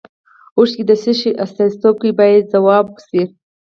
اوښکې د څه شي استازیتوب کوي باید ځواب شي.